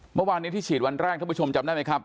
เมื่อวานนี้ที่ฉีดวันแรกท่านผู้ชมจำได้ไหมครับ